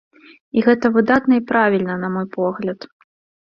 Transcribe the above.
І гэта выдатна і правільна, на мой погляд.